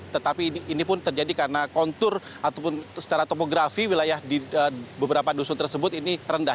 tetapi ini pun terjadi karena kontur ataupun secara topografi wilayah di beberapa dusun tersebut ini rendah